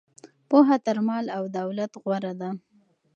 پوهه تر مال او دولت غوره ده.